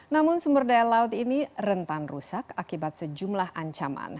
namun sumber daya laut ini rentan rusak akibat sejumlah ancaman